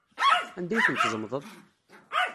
Anda ay ten-tzemḍeḍ?